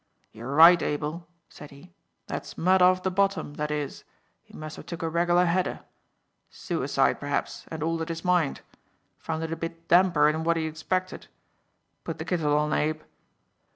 "You're right, Abel," said he. "That's mud off the bottom, that is. He must have took a regular header. Sooicide perhaps, and altered his mind. Found it a bit damper'n what he expected. Put the kittle on, Abe."